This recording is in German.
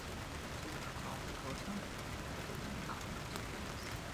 Er zog nach North Dakota und änderte seinen Nachnamen zu James.